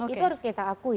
itu harus kita akui